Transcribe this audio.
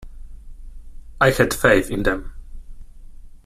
I had faith in them.